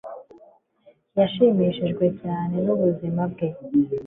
Yashimishijwe cyane nubuzima bwe